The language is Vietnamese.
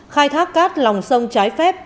khai thác cát lòng sông trái phép